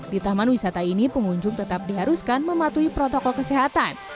di taman wisata ini pengunjung tetap diharuskan mematuhi protokol kesehatan